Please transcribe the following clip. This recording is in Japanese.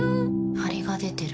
ハリが出てる。